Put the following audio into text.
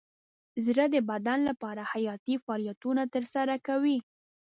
زړه د بدن لپاره حیاتي فعالیتونه ترسره کوي.